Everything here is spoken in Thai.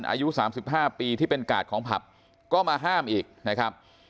อายุ๓๕ปีที่เป็นกาดของผับก็มาห้ามอีกนะครับ